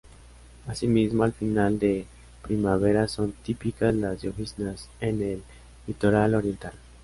Asimismo, al final de primavera son típicas las lloviznas en el litoral oriental.